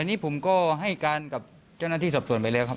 อันนี้ผมก็ให้การกับเจ้าหน้าที่สอบส่วนไปแล้วครับ